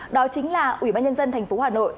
đó chính là ủy ban nhân dân thành phố hà nội